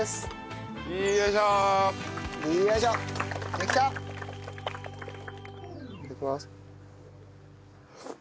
いただきます。